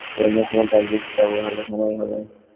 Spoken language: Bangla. তো বিয়ের মৌসুমে কাজ বেশি পাবো, ভালো কামাই হবে।